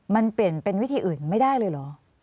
มันเปลี่ยนเป็นวิธีอื่นไม่ได้เลยเหรอ